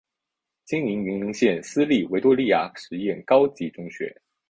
经营云林县私立维多利亚实验高级中学。